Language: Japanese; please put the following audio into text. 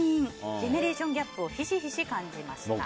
ジェネレーションギャップをヒシヒシ感じました。